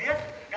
chỉ là chị thôi